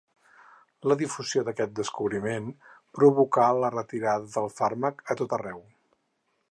La difusió d'aquest descobriment provocà la retirada del fàrmac a tot arreu.